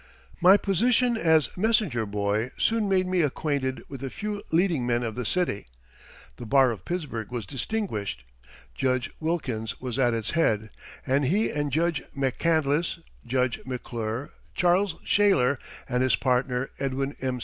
My position as messenger boy soon made me acquainted with the few leading men of the city. The bar of Pittsburgh was distinguished. Judge Wilkins was at its head, and he and Judge MacCandless, Judge McClure, Charles Shaler and his partner, Edwin M.